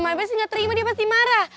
mereka sih gak terima dia pasti marah